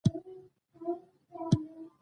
د افغان ملت غیرت تاریخي دی.